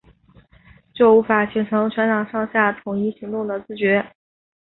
就无法形成全党上下统一行动的自觉